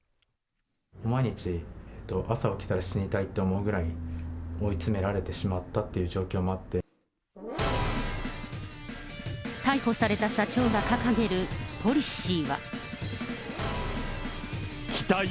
毎日、朝起きたら死にたいと思うぐらい追い詰められてしまったという状逮捕された社長が掲げるポリシーは。